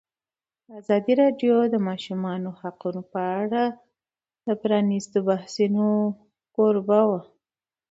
ازادي راډیو د د ماشومانو حقونه په اړه د پرانیستو بحثونو کوربه وه.